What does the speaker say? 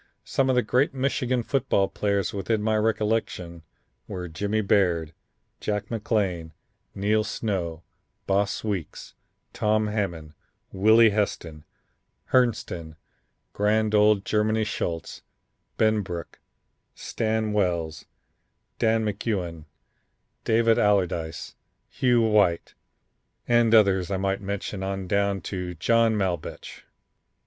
Some of the great Michigan football players within my recollection were Jimmy Baird, Jack McLain, Neil Snow, Boss Weeks, Tom Hammond, Willie Heston, Herrnstein, grand old Germany Schultz, Benbrook, Stan Wells, Dan McGugin, Dave Allerdice, Hugh White and others I might mention on down to John Maulbetsch."